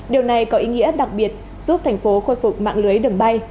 điều này có ý nghĩa đặc biệt giúp thành phố khôi phục mạng lưới đường bay